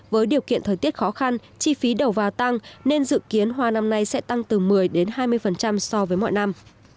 với điều kiện thời tiết khó khăn chi phí đầu vào tăng nên dự kiến hoa năm nay sẽ tăng từ một mươi hai mươi so với mọi năm